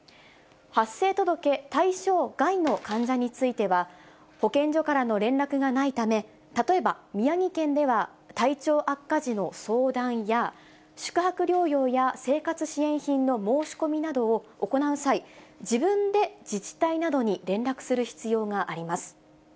発生届対象外の患者については、保健所からの連絡がないため、例えば宮城県では、体調悪化時の相談や、宿泊療養や生活支援品の申し込みなどを行う際、自分で自治体などに連絡する必要があります。